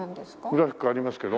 グラフィックありますけど？